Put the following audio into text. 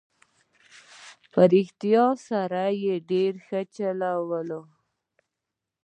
په رښتیا سره یې ډېره ښه چلوله.